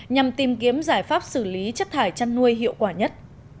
nhằm tìm kiếm giải pháp xử lý chất thải chăn nuôi hiệu quả nhất